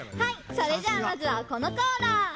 それじゃあまずはこのコーナー！